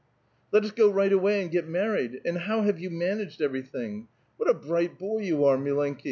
" Let us go right away and get married ; and how have you managed everything? What a bright boy vou are, mi lenM!"